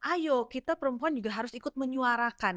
ayo kita perempuan juga harus ikut menyuarakan